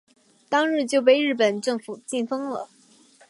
当日就被日本政府封禁了。